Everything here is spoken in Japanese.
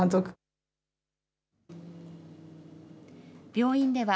病院では、